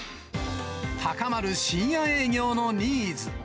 高まる深夜営業のニーズ。